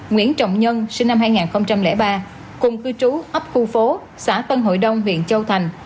nguyễn trọng nhân sinh năm hai nghìn ba cùng cư trú ấp khu phố xã tân hội đông huyện châu thành